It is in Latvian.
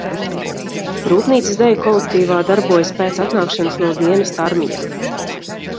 Rūpnīcas deju kolektīvā darbojas pēc atnākšanas no dienesta armijā.